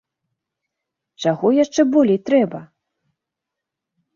Чаго яшчэ болей трэба?